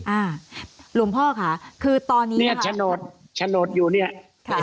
อ่าหลวงพ่อค่ะคือตอนนี้เนี่ยโฉนดโฉนดอยู่เนี่ยค่ะ